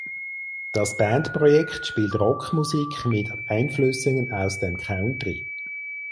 Das Bandprojekt spielt Rockmusik mit Einflüssen aus dem Country.